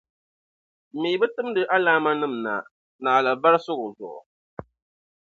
Ti mi bi timdi alaamanim’ na, naɣila varisigu zuɣu.